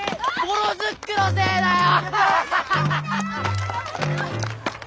ボロズックのせいだよ！